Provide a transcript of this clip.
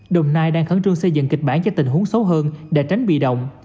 đồng nai đang khẩn trương xây dựng kịch bản cho tình huống xấu hơn để tránh bị động